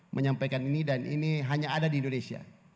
menyampaikan ini dan ini hanya ada di indonesia